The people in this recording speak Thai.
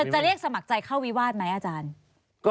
จะเรียกสมัครใจเข้าวิวาสไหมอาจารย์